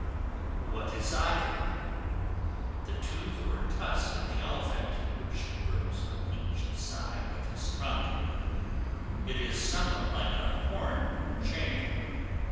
What is Ivory? The tooth or tusk of the Elephant, which grows on each side of his trunk; it is somewhat like a horn in shape.